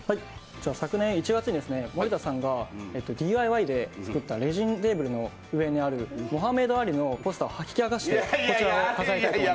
昨年１月に森田さんが、ＤＩＹで作ったレジンのテーブルの上のところ、モハメド・アリのポスターを引き剥がして、こちらをそこに。